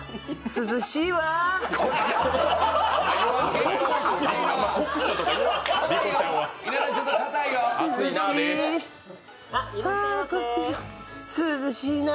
涼しいな。